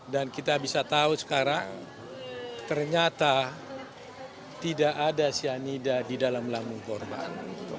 dan kita bisa tahu sekarang ternyata tidak ada cyanida di dalam lambung korban